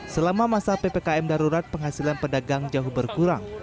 selama masa ppkm darurat penghasilan pedagang jauh berkurang